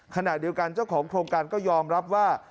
ขณะเดียวกันเจ้าของโครงการก็ยอมรับว่า